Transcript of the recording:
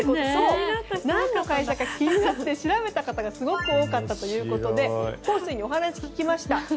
何の会社か気になって調べた方がすごく多かったということでホウスイにお話を聞きました。